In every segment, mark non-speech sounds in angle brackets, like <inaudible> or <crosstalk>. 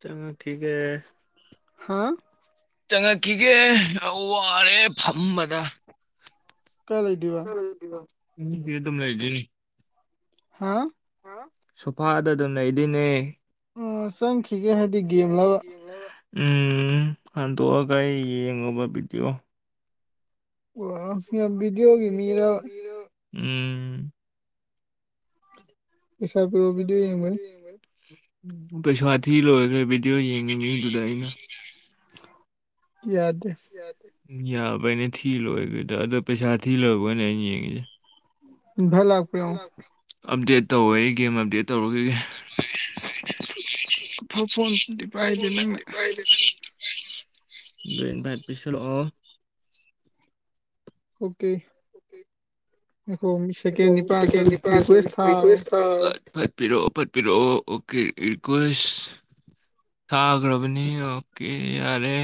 ꯆꯉꯣ ꯀꯒ ꯆꯪꯉꯛꯈꯤꯒꯦ ꯋꯥꯔꯦ ꯐꯝꯕꯗ ꯀꯥꯏ ꯂꯩꯗꯕ ꯎꯝ ꯐꯗꯣ ꯃꯜꯖꯅꯤ ꯍꯥꯥ ꯁꯣꯐꯥꯗ ꯑꯗꯨꯝ ꯅꯩꯗꯤꯅꯦ ꯑꯣ ꯆꯪꯈꯤꯒꯦ ꯍꯥꯏꯗꯤ ꯒꯦꯝꯒ ꯎꯝ ꯍꯟꯗꯣꯛꯑꯒ ꯑꯩ ꯌꯦꯡꯉꯨꯕ ꯕꯤꯗꯤꯑꯣ ꯑꯣ ꯌꯥꯝ ꯚꯗꯤꯑꯣꯒꯤ ꯃꯤꯔ ꯎꯝ ꯄꯩꯁꯥ ꯊꯤ ꯂꯣꯏꯒ꯭ꯔꯦ ꯚꯤꯗꯤꯑꯣ ꯌꯦꯡꯉꯤ ꯃꯤꯗꯨꯗ ꯑꯩꯅ ꯫ ꯌꯥꯗꯦ ꯌꯥꯕꯩꯅꯦ ꯊꯤꯂꯣꯏꯒ꯭ꯔꯤꯗꯣ ꯑꯗꯣ ꯄꯩꯁꯥ ꯊꯤ ꯂꯣꯢꯕꯒꯅꯦ ꯑꯩꯅ ꯌꯦꯡꯉꯤꯁꯦ ꯫ ꯑꯞꯗꯦꯠ ꯇꯧꯋꯦ ꯑꯩ ꯒꯦꯝ ꯑꯞꯗꯦꯠ ꯇꯧꯔꯨꯒꯤꯒꯦ ꯫ ꯐꯟꯗꯤ ꯄꯦ ꯆ ꯚ ꯄꯁꯤꯜ ꯑ ꯑꯣꯀꯦ ꯑꯣꯀꯦ ꯑꯩꯣ ꯁꯦꯀ ꯄꯥꯁꯋꯦꯁ ꯐꯠꯄꯤꯔꯛꯑꯣ ꯐꯠꯄꯤꯔꯛꯑꯣ ꯑꯣꯦ ꯏꯔꯀꯨꯁ ꯊꯥꯈ꯭ꯔꯕꯅꯤ ꯑꯣꯀꯦ ꯌꯥꯔꯦ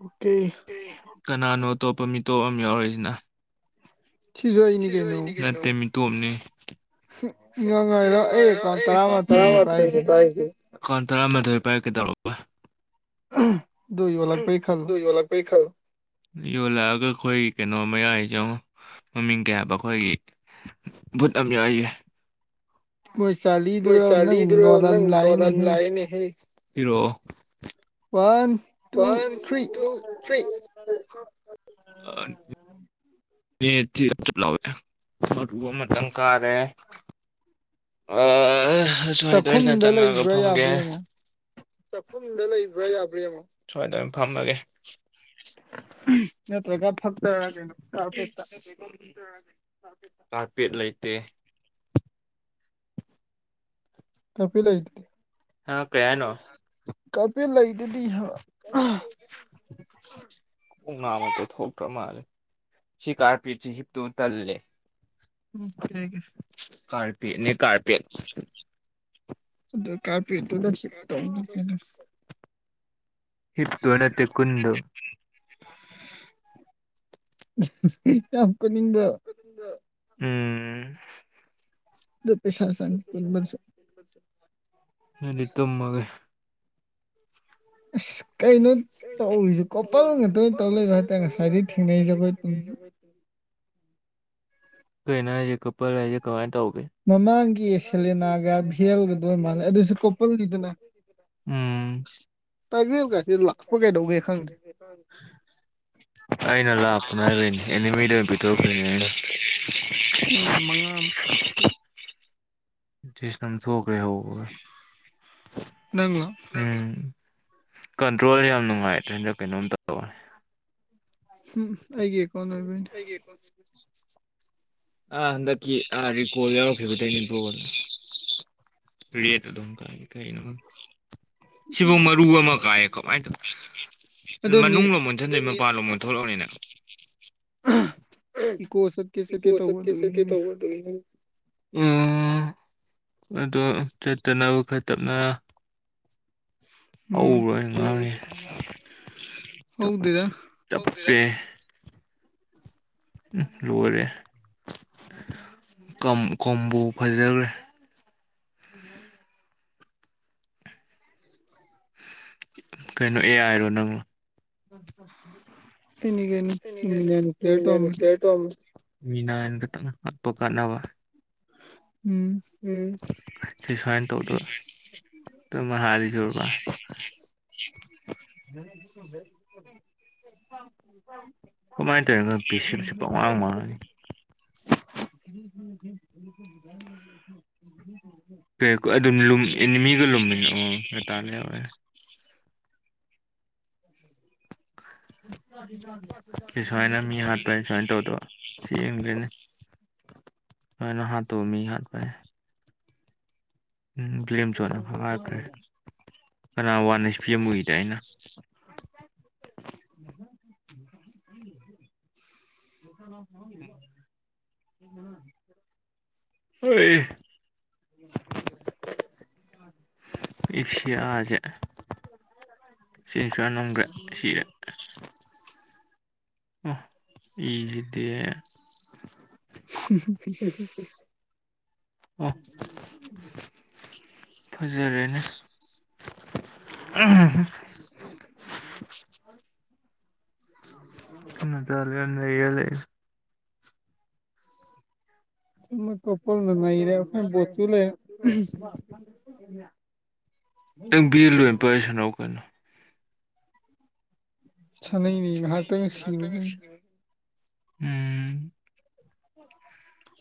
ꯑꯣꯀꯦ ꯀꯅꯥꯅꯣ ꯑꯇꯣꯞꯄ ꯃꯤꯇꯣꯞ ꯑꯃ ꯌꯥꯎꯔꯛꯏꯁꯤꯅ ꯅꯠꯇꯦ ꯃꯤꯇꯣꯞꯅꯤ ꯉꯔꯋꯥ ꯇ ꯀꯥꯏ ꯫ <unintelligible> <unintelligible> <unintelligible> ꯑꯦꯀꯥꯎꯟ ꯇꯔꯥꯊꯣꯏ ꯄꯥꯏꯔꯛꯀꯦ ꯇꯧꯔꯔꯕ ꯏ ꯋꯥꯂꯒꯄꯩ ꯈꯔ ꯂꯤꯌꫭ ꯂꯥꯛꯑꯒ ꯑꯩꯈꯣꯏ ꯀꯩꯅꯣ ꯃꯌꯥꯏꯁꯦ ꯌꯦꯡꯉꯣ ꯃꯃꯤꯡ ꯀꯌꯥꯕ ꯑꯩꯈꯣꯏꯒꯤ ꯚꯨꯠ ꯌꯥꯝ ꯌꯥꯏꯌꯦ ꯄꯣꯏꯁ ꯆꯥ ꯈꯣꯢ ꯆꯥꯔꯂꯤꯗꯨꯔꯣ ꯅꯪ ꯅꯣꯠ ꯂꯥꯛꯑꯦꯅꯦꯍꯦ ꯄꯤꯔꯛꯑꯣ ꯫ ꯋꯥꯟ ꯋꯥꯟ ꯇꯨ ꯊ꯭ꯔꯤ ꯦ ꯆꯨꯞ ꯂꯧꯥꯎꯋꯦ ꯑꯨꯕ ꯑꯃꯇꯪ ꯀꯥꯔꯦ ꯑ ꯁꯋꯥꯏꯗ ꯑꯣꯏꯅ ꯆꯪꯉꯒ ꯐꯝꯒꯦ ꯆꯥꯛꯐꯨꯝꯗ ꯂꯩꯕ꯭ꯔꯥ ꯌꯥꯕ꯭ꯔꯥ ꯑꯃꯛ ꯁꯨꯃꯥꯏꯅ ꯑꯗꯨꯃꯅ ꯐꯝꯃꯒꯦ ꯅꯠꯇ꯭ꯔꯒ ꯐ ꯌꯥꯒꯩꯅ ꯀꯄꯦꯠꯇ ꯀꯥꯔꯄꯦꯠ ꯂꯩꯇꯦ ꯀꯔꯄꯤ ꯂꯩꯗꯨꯗꯤ ꯀꯔꯄꯤ ꯂꯩꯗꯨꯗꯤ ꯀꯧꯅꯥꯃꯛꯇ ꯊꯣꯛꯇ꯭ꯔ ꯃꯥꯂꯦ ꯁꯤ ꯀꯥꯄꯤꯤ ꯍꯤꯞꯇꯅ ꯇꯜꯂꯦ ꯎꯝ ꯊꯦꯡꯦ ꯑꯗꯨ ꯀꯥꯄ ꯇ ꯇ ꯍꯤꯞꯨ ꯑꯅ ꯇ ꯈꯨꯨꯟ ꯌꯥꯝ ꯀꯅꯤꯡꯕ ꯎꯝ ꯑꯗꯤꯇ ꯃꯒꯦ ꯑ <inaudible> ꯀꯩꯅꯣ ꯍꯥꯏꯁꯦ ꯀꯄꯜ ꯍꯥꯏꯁꯦ ꯀꯃꯥꯏꯅ ꯇꯧꯒꯦ ꯎꯝ ꯇꯥꯒꯦ ꯀꯁꯤ ꯂꯥꯛꯄ ꯀꯩꯗꯧꯒꯦ ꯈꯪꯗꯦ ꯑꯩꯅ ꯂꯥꯛꯞꯄꯅ ꯍꯥꯏꯕꯩꯅꯦ ꯑꯦꯅꯤ ꯃꯤꯗ ꯑꯣꯏꯅ ꯄꯤꯊꯣꯛꯈ꯭ꯔꯦꯅꯦꯩꯅ ꯎ ꯃꯉ <inaudible> ꯁ ꯅꯝ ꯊꯈ꯭ꯔꯦ ꯍ ꯎꯝ ꯀꯟꯇ꯭ꯔꯣꯜ ꯌꯥꯝ ꯅꯨꯡꯉꯥꯏꯗ꯭ꯔꯦ ꯍꯟꯗꯛ ꯀꯩꯅꯣꯝ ꯇꯧꯅꯤ ꯎꯝ ꯑꯩꯒꯤꯦ ꯀꯣꯟꯅꯔꯕꯅꯤ ꯑꯥ ꯍꯟꯗꯛꯀꯤ ꯑꯥ ꯔꯤꯀꯣꯜ ꯌꯥꯎꯔꯛꯈꯤꯕꯗꯒꯤꯩꯅꯦꯕ꯭ꯔꯣꯜ <inaudible> ꯔꯦꯗ ꯑꯗꯨꯝ ꯀꯩꯏ ꯀꯥꯏ ꯅ ꯁꯤꯕꯨ ꯃꯔꯨ ꯑꯃ ꯀꯥꯏꯌꯦ ꯀꯃꯥꯏꯅ ꯇꯧ ꯃꯅꯨꯡ ꯂ ꯏꯊꯟꯗꯩ ꯃꯄꯥꯟꯂꯣꯝꯃ ꯊꯣꯛꯂꯛꯑꯣꯅꯤꯅ ꯏꯀꯣ ꯆꯠꯀꯦ ꯆꯠꯀꯦ ꯇꯧ <unintelligible> ꯑꯗꯣ ꯆꯠꯇꯅꯕ ꯈꯔ ꯇꯞꯅ ꯍꯧꯔꯣꯏ ꯉꯥꯡꯉꯦ ꯇꯞꯄꯦ ꯂꯣꯏꯔꯦ ꯀꯣꯝꯕꯨ ꯐꯖꯈ꯭ꯔꯦ <inaudible> <unintelligible> ꯃꯤꯅꯥꯏꯅ ꯈꯛꯇꯪ ꯇꯞꯄ ꯀꯥꯟꯅꯕ ꯎꯝ ꯎꯝ ꯁꯤ ꯁꯨꯃꯥꯏꯅ ꯇꯧꯗꯕꯥꯜꯂꯤ <unintelligible> <unintelligible> ꯀꯃꯥꯏꯅ ꯇꯧꯔꯤꯅꯣ ꯦꯁꯤꯞꯁ ꯄꯃꯥꯡ ꯃꯥꯡꯉꯅꯤ <inaudible> ꯑꯗꯨ ꯎꯝ <unintelligible> <inaudible> <unintelligible> ꯁꯤ ꯑꯦꯝꯗꯨꯅꯦ ꯃꯥꯅ ꯍꯥꯠ ꯇꯧ ꯃꯤ ꯍꯥꯠ ꯄ ꯎꯝ ꯐ꯭ꯂꯦꯝ ꯆꯣꯠꯅ ꯐꯉꯔꯈ꯭ꯔꯦ ꯀꯅꯥ ꯋꯥꯟ ꯍꯁ ꯄꯤꯝꯃꯨꯏꯗ ꯑꯩꯅꯐꯪꯪꯈꯇꯑ <inaudible> <inaudible> ꯍꯣꯏ ꯎ ꯏꯞꯁꯤꯑꯖ‌ꯦ <unintelligible> ꯁꯤꯔꯦ <unintelligible> ꯑ‌ꯣ ꯏꯖꯤꯗꯦ <unintelligible> ꯑ‌ꯣ ꯐꯖꯔꯦꯅꯦ <unintelligible> <unintelligible> <unintelligible> ꯅꯪ ꯕ‌ꯦꯜ ꯑ‌ꯣꯏꯟ ꯄꯥꯏ ꯁꯅꯧ ꯀꯩꯅ‌ꯣ ꯁꯥꯟꯅꯩꯅꯦ ꯉꯥꯏꯍꯥꯛꯇꯪ ꯁꯤꯔꯨꯕꯅꯦ ꯎꯝ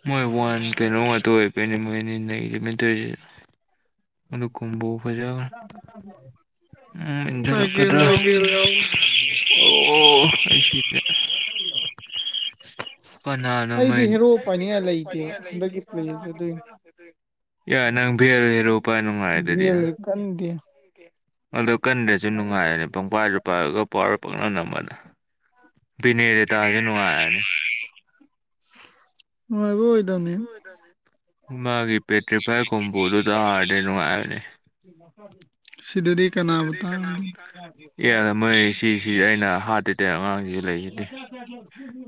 ꯃꯣꯏ ꯋꯥꯟ ꯀꯩꯅꯣ ꯉꯥꯛꯇ ꯑꯣꯏꯕꯩꯅꯦ ꯃꯣꯏ ꯑꯅꯤ ꯅꯩꯔꯤ <unintelligible> ꯑꯗꯨ ꯀꯨꯝꯕ‌ꯣ ꯐꯖꯕ ꯎꯝ ꯏꯟꯖꯤꯜꯂꯛꯀꯗ꯭ꯔꯥ <unintelligible> ꯀꯅꯥꯅꯃꯥꯏꯅꯤ ꯌꯥ ꯅꯪ ꯚꯦꯔ ꯂꯩꯔꯣ ꯄꯥꯏ ꯅꯨꯡꯉꯥꯏ <unintelligible> ꯑꯗ ꯀꯟꯗ꯭ꯔꯁꯨ ꯅꯨꯡꯉꯥꯏꯔꯅꯤ ꯄꯪꯄꯥꯏꯗꯨ ꯄꯥꯏꯔꯒ ꯄꯋꯥꯔ ꯄꯛꯅꯝ ꯅꯝꯕꯅ ꯕꯤꯅꯦꯔꯤꯇꯁꯨ ꯅꯨꯡꯉꯥꯏꯔꯅꯤ ꯅꯨꯉꯥꯏꯕ ꯑꯣꯏꯗꯝꯅꯤ ꯃꯥꯒꯤ ꯄꯦꯇ꯭ꯔꯤꯐꯥꯏ ꯀ‌ꯣꯝꯕ‌ꯣꯗꯨꯗ ꯍꯥꯏꯔꯗꯤ ꯅꯨꯡꯉꯥꯏꯕꯅꯤ <unintelligible> ꯁꯤꯗꯗꯤ ꯀꯅꯥꯕꯨ ꯇꯥ ꯑꯉꯥꯡꯁꯤꯁꯨ ꯂꯩꯈꯤꯗꯦ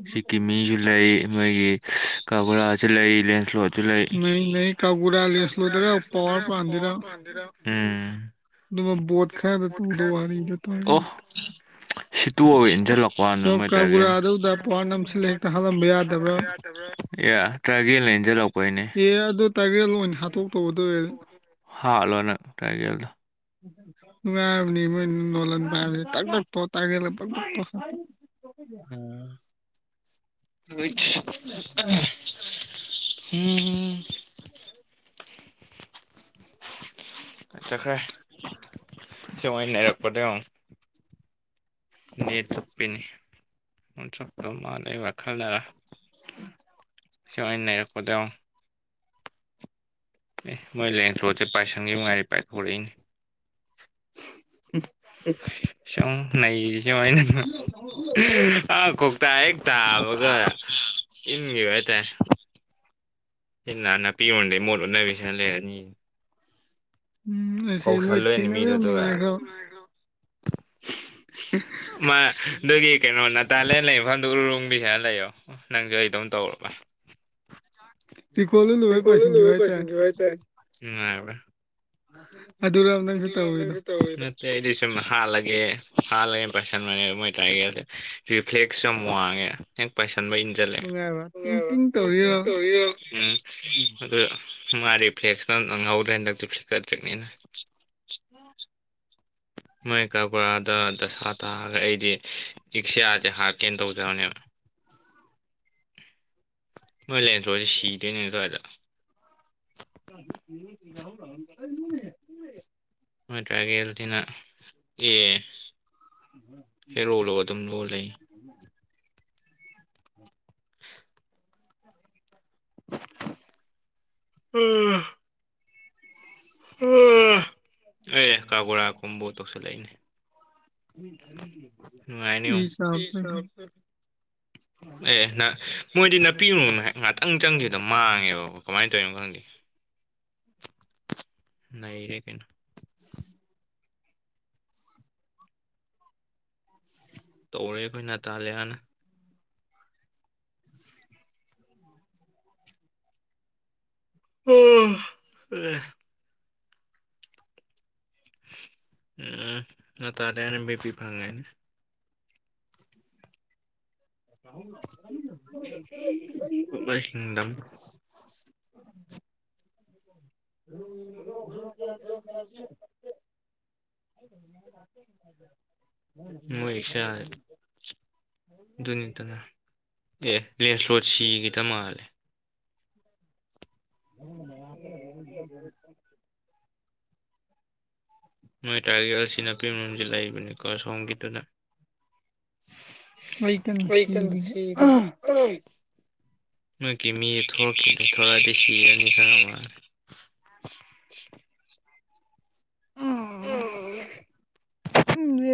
ꯁꯤꯛ ꯀꯤꯃꯤꯁꯨ ꯂꯩ ꯃꯣꯏꯒꯤ ꯀꯒꯨꯔꯥꯁꯨ ꯂꯩ ꯂꯦꯟꯁ꯭ꯂꯣꯠꯁꯨ ꯂꯩ <unintelligible> ꯎꯝ ꯑꯗꯨꯃ ꯕꯣꯠ ꯈꯔꯗ ꯇꯨꯗꯣ ꯋꯥꯔꯤꯗ ꯇꯧꯔ ꯀꯥꯒꯨꯔꯥ ꯑꯗꯨꯗ ꯄꯋꯥ ꯅꯝꯁꯤꯜꯂ ꯍꯦꯛꯇ ꯍꯥꯜꯂꯝꯕ ꯌꯥꯗꯕ꯭ꯔꯥ ꯑꯦ ꯑꯗꯨ ꯇꯥꯏꯒꯦꯜ ꯑꯣꯏꯅ ꯍꯥꯠꯇꯣꯛꯇꯧꯕ ꯗ‌ꯣꯏꯔꯅ ꯍꯥꯥꯠꯂꯣꯅꯪ ꯇꯥꯏꯒ‍꯭ꯔ‌ꯦꯜꯗ‌ꯣ ꯅꯨꯡꯉꯥꯏꯕꯅꯤ ꯃꯣꯏꯅ ꯂꯣꯂꯟ ꯄꯥꯏꯕꯁꯦ ꯇꯥꯛꯇꯛꯇꯣ ꯇꯥꯏꯒ꯭ꯔ‍ꯦꯜꯂ ꯇꯥꯛꯇꯛꯇꯣ <unintelligible> <unintelligible> <unintelligible> ꯆꯠꯈ꯭ꯔꯦ ꯁꯃꯣꯏ ꯅꯩꯔꯛꯄꯗ‌ꯣ ꯌ‌ꯦꯡꯉꯨ ꯅ‌ꯦꯠ ꯆꯞꯄ‌ꯦꯅ‌ꯦ ꯆꯞꯇ ꯃꯥꯜꯂ‌ꯦ ꯋꯥꯈꯜꯅꯥꯔ <unintelligible> ꯑꯩꯅ ꯅꯩꯔꯛꯄꯗꯣ ꯌ‌ꯦꯡꯌꯨ ꯑꯦ ꯃꯣꯏ ꯂꯦꯟꯁ ꯔꯣꯠꯁꯦ ꯄꯥꯏꯁꯟꯈꯤꯕ ꯃ ꯉꯥꯏꯔꯤ ꯄꯥꯏꯊꯣꯔꯛꯏꯅꯤ <unintelligible> ꯁꯨꯝ ꯅꯩꯔꯤꯁꯤ ꯌ‌ꯦꯡꯉ‌ꯣ ꯑꯥ ꯀꯧꯇꯥ ꯍꯦꯛ ꯇꯥꯕꯒ ꯏꯟꯈꯤꯕ ꯍꯥꯏꯇꯥꯔꯦ ꯏꯟꯅ ꯅꯥꯄꯤꯔꯣꯟꯗꯩ ꯃꯣꯠ ꯎꯅꯕꯤꯁꯤꯅ ꯂꯩꯔꯅꯤ ꯎꯝꯁ ꯃꯣꯏ ꯊꯦꯡꯅꯕ ꯌꯥꯝ ꯅꯨꯡꯉꯥꯏꯈ꯭ꯔꯕ <unintelligible> <unintelligible> ꯔꯥꯀꯣꯜꯟꯡꯗ‌ꯣ ꯂ‌ꯣꯏꯕ ꯄꯥꯏꯁꯤꯒꯤꯕ ꯍꯥꯏꯇꯥꯔ‌ꯦ ꯅꯨꯉꯥꯏꯕ꯭ꯔꯥ ꯑ ꯑꯗꯨꯔꯕ ꯅꯪꯁꯨ ꯇꯧꯔꯤꯗ‌ꯣ ꯅꯇ‌ꯩ ꯑꯩꯗꯤ ꯁꯨꯝ ꯍꯥꯠꯂꯒꯦ ꯍꯥꯥꯟꯂꯒꯦꯅ ꯄꯥꯏꯁꯟꯕꯅꯦ ꯃꯣꯏ ꯇꯥꯏꯒꯁꯦ ꯔꯤꯐ꯭ꯂꯦꯛꯁꯁꯨ ꯌꯥꯝ ꯋꯥꯡꯉꯦ ꯍꯦꯛ ꯄꯥꯏꯁꯟꯕ ꯇꯤꯡ ꯇꯤꯡ ꯇꯧꯔꯛꯏꯗꯨꯅ ꯎꯝ ꯑꯗꯨ ꯃꯥꯗꯤ ꯔꯤꯐꯂꯦꯛꯁ ꯅꯪꯍꯧꯗ꯭ꯔꯦ ꯍꯟꯗꯛꯇꯤ ꯐ꯭ꯂꯂꯤꯛꯀꯠ ꯇ꯭ꯔꯤꯛꯅꯤꯅ <unintelligible> ꯃꯣꯏ ꯀꯀꯣꯔꯥꯗ ꯗꯁꯥ ꯇꯥꯔ ꯑꯩꯗꯤ ꯏꯛꯁꯤꯌꯥꯁꯦ ꯍꯥꯠꯀꯦꯅ ꯇꯧꯖꯕꯅꯦꯕ ꯅꯣꯏ ꯂꯦꯟꯊ꯭ꯔꯣꯁꯤ ꯁꯤꯗꯦꯅꯦ ꯑꯗꯥꯏꯗ <unintelligible> ꯃꯣꯏ ꯇ꯭ꯔꯥꯒꯦꯜ ꯊꯅ ꯑꯦ <unintelligible> ꯍꯦꯔꯣꯂꯣ ꯑꯗꯨꯝ ꯂꯣꯠꯂ ꯂꯩ <unintelligible> <unintelligible> ꯑꯩ ꯀꯥꯒꯣꯔꯥ ꯀꯣꯝꯕꯣ ꯇꯧꯁꯤꯜꯂꯛꯏꯅꯦ <unintelligible> <unintelligible> ꯅꯩꯔꯦ ꯀꯩꯅꯣ ꯇꯧꯔꯦ ꯑꯩꯈꯣꯏ ꯅꯥ ꯇꯥꯜꯂꯤꯌꯥꯅ <unintelligible> <unintelligible> ꯎꯝ ꯅꯥ ꯇꯥꯜꯂꯤꯌꯥꯅ ꯑꯦꯝ ꯕꯤ ꯄꯤ ꯐꯪꯒꯔ꯭ꯦ <unintelligible> <unintelligible> <unintelligible> <unintelligible> ꯑꯦ ꯂꯦꯟꯁ꯭ꯂꯣꯗ ꯁꯤꯒꯤꯗ ꯃꯥꯜꯂꯦ <unintelligible> ꯅꯣꯏ ꯇꯥꯏꯔꯒꯤꯜꯁꯤ ꯅꯥꯄꯤ ꯃꯔꯣꯝꯁꯤ ꯂꯩꯕꯅꯤꯀꯣ ꯁꯣꯝꯒꯤꯗꯨꯅ ꯑꯩꯩ ꯀꯅ ꯁꯤꯔꯤ ꯅꯛꯀꯤ ꯃꯤꯁ ꯊꯣꯛꯂꯛꯈꯤꯅꯦ ꯊꯂꯛꯑꯗꯤ ꯁꯤꯔꯅꯤ ꯈꯪꯉꯝ ꯃꯥꯦ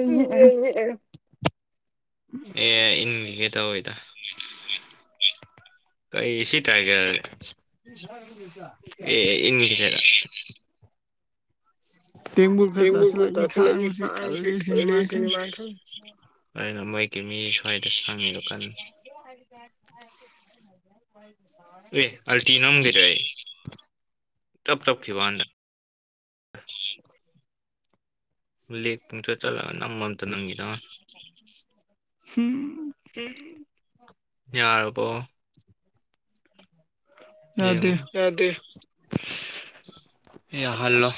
ꯑꯣ ꯎꯅ ꯑꯦ ꯏꯟꯒꯤꯒꯦ ꯇꯧꯋꯤꯗ ꯀꯩ ꯁꯤ ꯇꯥꯏꯔꯦꯜ ꯑꯦ ꯏꯟꯒꯤꯗꯣꯏꯔ ꯇꯕꯨ ꯀ ꯀꯁꯂ ꯏ ꯈꯁꯤ ꯀꯂꯤꯁꯤ ꯃꯥ ꯑꯩꯅ ꯃꯣꯏꯒꯤ ꯃꯤ ꯁ꯭ꯋꯥꯏꯗ ꯁꯥꯡꯕꯤ ꯀꯟꯅ ꯎꯝ ꯃꯤꯒꯤ ꯒꯤ ꯂꯦꯛ ꯄꯨꯡ ꯆꯠ ꯆꯠꯂꯒ ꯅꯃ ꯑꯝꯇ ꯅꯪꯈꯤꯗ ꯌꯥꯔꯕꯣ ꯌꯥꯗꯦ ꯃꯤ ꯍꯜꯂꯣ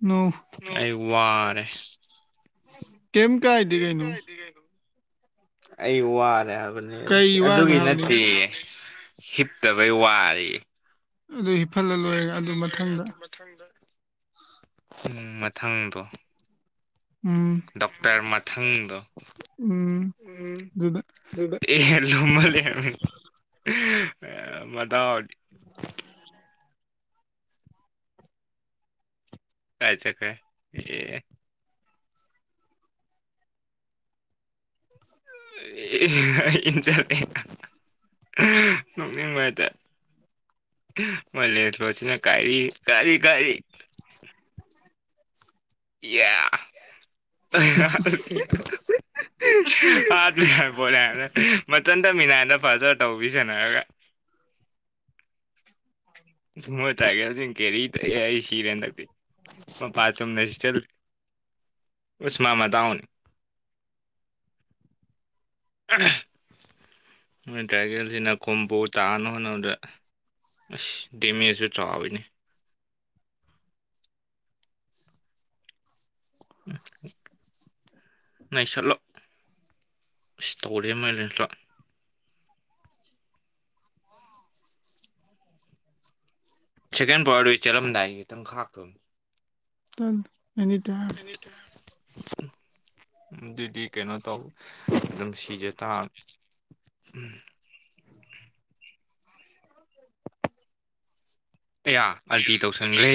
ꯅꯣ ꯑꯩ ꯋꯥꯔꯦ ꯎꯝ ꯀꯩꯝ ꯀꯥꯏꯗꯦ ꯀꯩꯅꯣ ꯑꯩ ꯋꯥꯔꯦ ꯍꯥꯏꯕ ꯑꯗꯨꯒꯤ ꯅꯠꯇꯦ ꯍꯤꯞꯇꯕꯩ ꯋꯥꯔꯦ ꯑꯗꯨ ꯍꯤꯞꯐꯜꯂ ꯂꯣꯏꯔꯦ ꯑꯗꯨ ꯃꯊꯪꯗ ꯎꯝ ꯃꯊꯪꯗꯣ ꯗꯣꯛꯇꯔ ꯃꯊꯪꯗꯣ ꯎꯝ ꯂꯨꯝꯃꯒ ꯂꯩꯔꯝꯃꯦ <unintelligible> ꯀꯥꯏ ꯆꯠꯈꯔꯦ <unintelligible> <unintelligible> ꯅꯣꯛꯅꯤꯡꯕ ꯍꯥꯏꯇꯥꯏ <unintelligible> ꯀꯔꯤ ꯀꯥꯔꯤ ꯌꯥ <unintelligible> ꯁ ꯃꯣꯏ ꯇꯥꯏꯒꯔꯖꯦ ꯀꯦꯔꯤ <unintelligible> ꯑꯩ ꯁꯤꯔꯦ ꯍꯟꯗꯛꯇꯤ <unintelligible> ꯑ ꯃꯣꯏ ꯗ꯭ꯔꯥꯏꯒꯦꯜꯁꯤꯅ ꯈꯣꯝꯕꯣ ꯇꯥꯅ ꯍꯣꯠꯅꯕꯗ ꯑꯁ ꯗꯦꯃꯦꯖꯁꯨ ꯆꯥꯎꯋꯤꯅꯤ <unintelligible> ꯅꯩꯁꯟꯂꯣ ꯏꯁ ꯇꯧꯔꯦ ꯃꯥꯏ <unintelligible> ꯁꯦꯀꯦꯟ ꯄ꯭ꯔꯋꯥꯔꯗ ꯆꯦꯟꯂꯝꯗꯥꯏ ꯈꯤꯇꯪ ꯈꯥꯛꯇꯧꯅꯤ ꯇ ꯑꯦꯅꯤ ꯇꯥꯏꯝ <unintelligible> ꯑꯗꯨꯗꯤ ꯀꯩꯅꯣ ꯇꯧ ꯑꯗꯨꯝ ꯁꯤꯖ ꯇꯥꯝꯅꯤ ꯀꯌꯥ ꯑꯜꯇꯤ ꯇꯧꯁꯟꯈ꯭ꯔꯦ